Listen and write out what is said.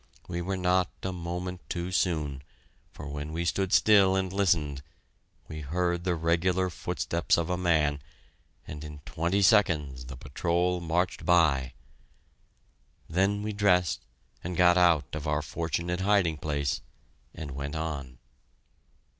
We were not a moment too soon, for when we stood still and listened, we heard the regular footsteps of a man, and in twenty seconds the patrol marched by! Then we dressed and got out of our fortunate hiding place, and went on.